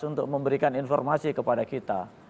untuk memberikan informasi kepada kita